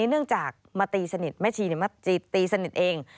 เนื่องจากมาตีสนิทแม่ชีมาตีสนิทเอง